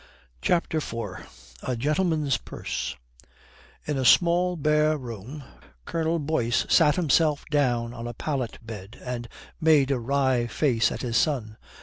CHAPTER IV A GENTLEMAN'S PURSE In a small, bare room Colonel Boyce sat himself down on a pallet bed and made a wry face at his son.